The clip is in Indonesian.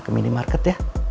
ke minimarket ya